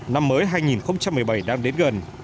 năm mới hai nghìn một mươi bảy đang đến gần